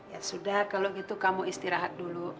ya sudah kalau gitu kamu istirahat dulu